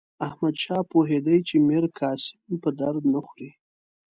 احمدشاه پوهېدی چې میرقاسم په درد نه خوري.